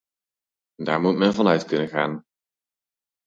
Daar moet men van uit kunnen gaan.